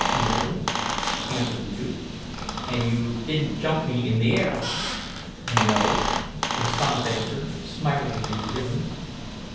"No," answered the youth. "And you didn't jump me in the air?" "No," was Tom's answer, smilingly given.